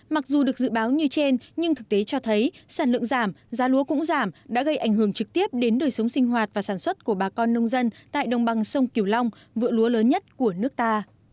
mặc dù được dự báo như trên nhưng thực tế cho thấy sản lượng giảm giá lúa cũng giảm đã gây ảnh hưởng trực tiếp đến đời sống sinh hoạt và sản xuất của bà con nông dân tại đồng bằng sông kiều long vựa lúa lớn nhất của nước ta